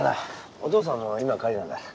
お父さんも今帰りなんだ。